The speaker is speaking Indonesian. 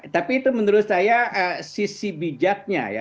tapi itu menurut saya sisi bijaknya ya